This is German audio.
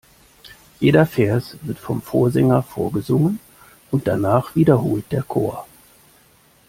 Jeder Vers wird vom Vorsänger vorgesungen und danach wiederholt der Chor.